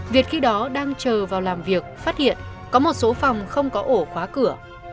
việt khi đó đang chờ vào làm việc phát hiện có một số phòng không có ổ khóa cửa